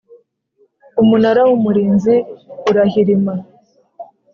Umunara w Umurinzi urahirima